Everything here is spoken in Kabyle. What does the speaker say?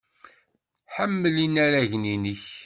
Ḥemmel inaragen-nnek.